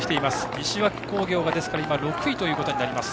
西脇工業が６位ということになります。